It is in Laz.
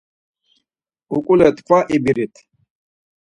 Uǩule tkva ibirit.